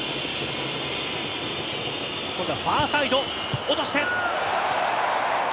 今度はファーサイド落として。